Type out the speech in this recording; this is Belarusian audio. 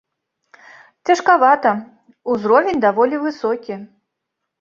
Цяжкавата, узровень даволі высокі.